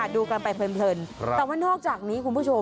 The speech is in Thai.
ดูกันไปเพลินแต่ว่านอกจากนี้คุณผู้ชม